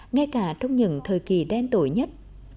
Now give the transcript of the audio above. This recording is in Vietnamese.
ngay cả trong những thời kỳ đen tội nhất